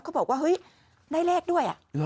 เขาบอกว่าเฮ้ยได้แรกด้วยอ่ะ